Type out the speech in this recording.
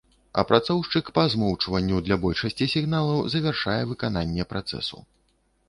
Апрацоўшчык па змоўчванню для большасці сігналаў завяршае выкананне працэсу.